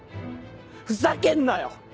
ふざけんなよ！